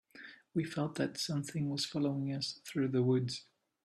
We felt that something was following us through the woods.